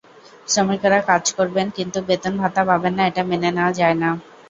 শ্রমিকেরা কাজ করবেন কিন্তু বেতন ভাতা পাবেন না—এটা মেনে নেওয়া যায় না।